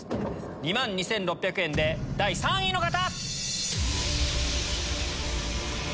２万２６００円で第３位の方！